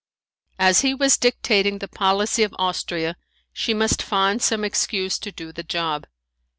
As he was dictating the policy of Austria she must find some excuse to do the job.